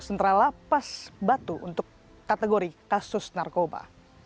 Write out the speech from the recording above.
sementara lapas batu untuk kategori kasus narkoba